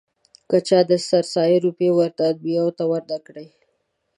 که چا د سرسایې روپۍ ورثه الانبیاوو ته ور نه کړې.